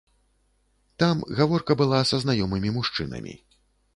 Там гаворка была са знаёмымі мужчынамі.